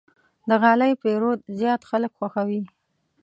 د غالۍ پېرود زیات خلک خوښوي.